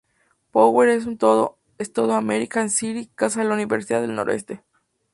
Powell es un "Todo-America City", casa de la Universidad del Noroeste.